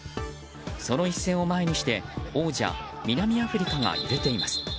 その一戦を前にして王者・南アフリカが揺れています。